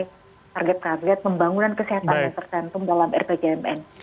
target target pembangunan kesehatan yang tercantum dalam rpjmn